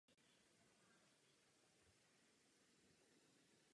Vzápětí je následovala Itálie.